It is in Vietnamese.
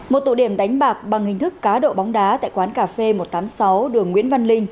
một tụ điểm đánh bạc bằng hình thức cá độ bóng đá tại quán cà phê một trăm tám mươi sáu đường nguyễn văn linh